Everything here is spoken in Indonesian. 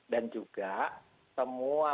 dan juga semua